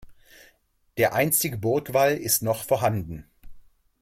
Der einstige Burgwall ist noch vorhanden.